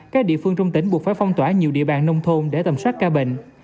các địa phương trong tỉnh buộc phải phong tỏa nhiều địa bàn nông thôn để tầm soát ca bệnh